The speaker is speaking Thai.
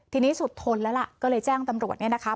ทีนี้สุดทนแล้วล่ะก็เลยแจ้งตำรวจเนี่ยนะคะ